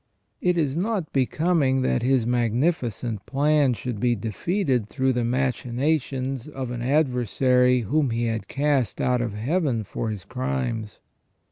It is not becoming that His magnificent plan should be defeated through the machinations of an adversary whom he had cast out of Heaven for his crimes.